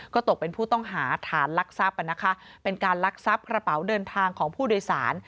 ก็ตกเป็นผู้ต้องหาฐานลักทรัพย์เป็นการลักทรัพย์กระเป๋าเดินทางของผู้โดยสาร